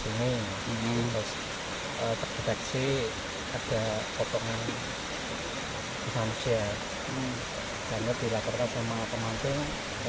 ini terus terdeteksi ada potongan manusia sangat dilakukan sama pemancing